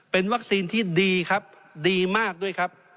เป็นวัคซีนที่ดีครับดีมากด้วยครับ